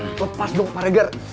lepas dong pak regar